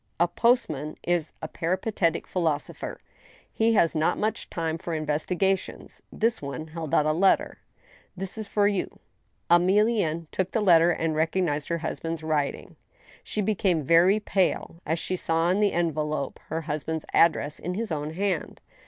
A postman is a peripatetic philosopher ; he has not much time for investigations. This one held out a letter. "This is for you." Emilienne took the letter and recognized her husband's writing. She became very pale as she saw on the envelope her husband's ad dress in his own hand.